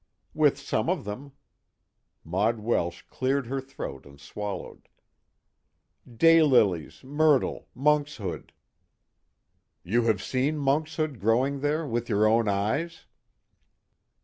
"With some of them." Maud Welsh cleared her throat and swallowed. "Day lilies, myrtle monkshood." "You have seen monkshood growing there, with your own eyes?"